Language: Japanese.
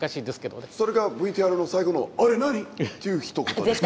それがＶＴＲの最後の「あれ何？」っていうひと言だったんですか？